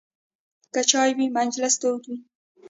که چای وي، مجلس تود وي.